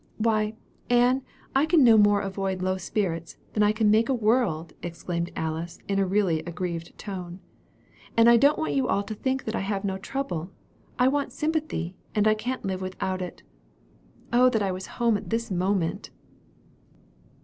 "Why, Ann, I can no more avoid low spirits, than I can make a world!" exclaimed Alice, in a really aggrieved tone. "And I don't want you all to think that I have no trouble. I want sympathy, and I can't live without it. Oh that I was at home this moment!"